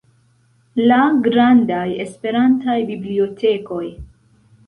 La grandaj Esperantaj bibliotekoj.